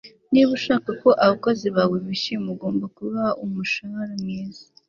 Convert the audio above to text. niba ushaka ko abakozi bawe bishima, ugomba kubaha umushahara mwiza